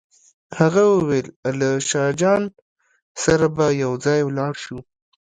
هغه وویل له شاه جان سره به یو ځای ولاړ شو.